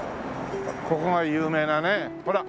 ここが有名なねほら。